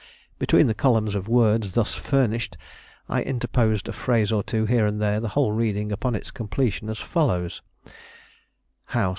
Between the columns of words thus furnished I interposed a phrase or two, here and there, the whole reading upon its completion as follows: " House."